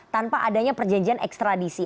tanpa adanya perjanjian ekstradisi